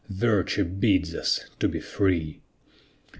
Virtue bids us to be free.